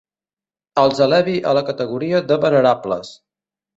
Els elevi a la categoria de venerables.